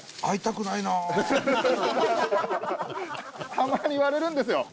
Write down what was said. たまに言われるんですよ。